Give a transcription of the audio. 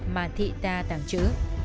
mà thị ta tàng trứ